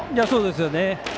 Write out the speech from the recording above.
そうですよね。